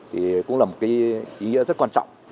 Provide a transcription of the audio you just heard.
thì cũng là một ý nghĩa rất quan trọng